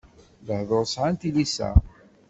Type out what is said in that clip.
Lehduṛ sɛan tilisa.